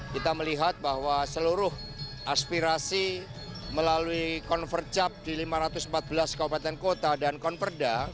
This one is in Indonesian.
kita melihat bahwa seluruh aspirasi melalui konvercap di lima ratus empat belas kabupaten kota dan konverda